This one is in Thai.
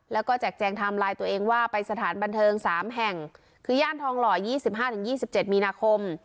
แล้วก็แจกแจงไทม์ไลน์ตัวเองว่าไปสถานบันเทิง๓แห่งคือย่านทองหล่อ๒๕๒๗มีนาคม